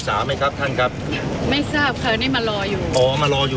ไหมครับท่านครับไม่ทราบค่ะนี่มารออยู่อ๋อมารออยู่